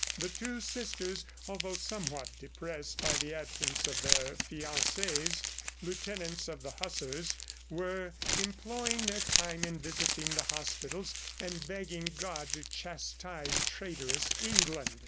The two sisters, although somewhat depressed by the absence of their fiances, lieutenants of the Hussars, were employing their time in visiting the hospitals and begging God to chastise traitorous England.